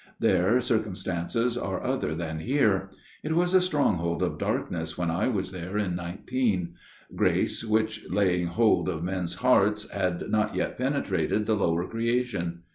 There circumstances are other than here. It was a stronghold of darkness when, I was there in '19. Grace, while laying hold oft men's hearts, had not yet penetrated the lower i creation.